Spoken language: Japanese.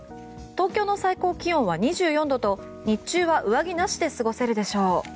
東京の最高気温は２４度と日中は上着なしで過ごせるでしょう。